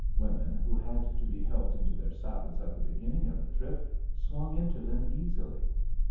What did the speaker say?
Women, who had to be helped into their saddles at the beginning of the trip, swung into them easily.